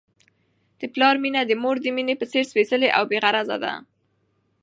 د پلار مینه د مور د مینې په څېر سپیڅلې او بې غرضه ده.